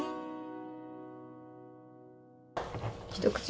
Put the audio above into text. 一口？